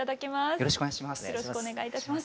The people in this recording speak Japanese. よろしくお願いします。